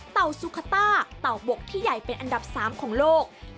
เต่าสุคาต้าเต่าบกที่ใหญ่เป็นอันดับ๓ของโลก